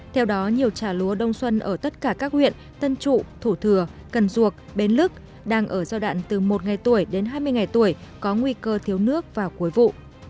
theo đó nhiều trà lúa đông xuân ở tất cả các huyện tân trụ thủ thừa cần duộc bến lức đang ở giai đoạn từ một ngày tuổi đến hai mươi ngày tuổi có nguy cơ thiếu nước vào cuối vụ